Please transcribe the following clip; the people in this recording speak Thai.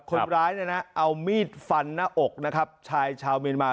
คนร้ายเอามีดฟันหน้าอกชายชาวเมียนมา